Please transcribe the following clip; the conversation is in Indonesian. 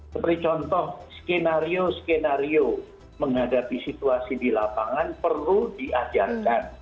seperti contoh skenario skenario menghadapi situasi di lapangan perlu diajarkan